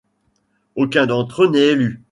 Aucun d'entre eux n'est élu.